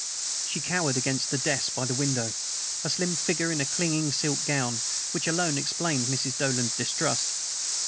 She cowered against the desk by the window, a slim figure in a clinging silk gown, which alone explained Mrs. Dolan's distrust.